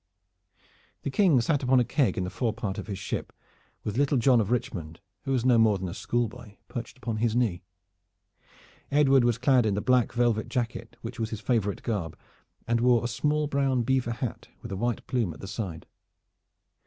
The King sat upon a keg in the fore part of his ship, with little John of Richmond, who was no more than a schoolboy, perched upon his knee. Edward was clad in the black velvet jacket which was his favorite garb, and wore a small brown beaver hat with a white plume at the side.